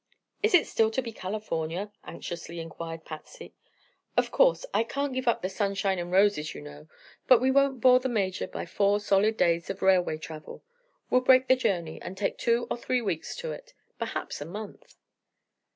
"Is it still to be California?" anxiously inquired Patsy. "Of course. I can't give up the sunshine and roses, you know. But we won't bore the Major by four solid days of railway travel. We'll break the journey, and take two or three weeks to it perhaps a month."